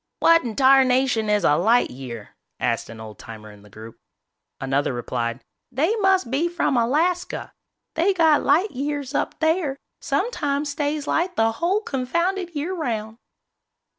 "What in tarnation is a light year?" asked an old timer in the group. Another replied, "They must be from Alaska. They got light years up there, sometimes stays light the whole confounded year 'round."